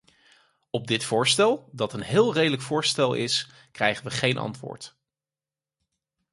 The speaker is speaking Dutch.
Op dit voorstel, dat een heel redelijk voorstel is, krijgen we geen antwoord.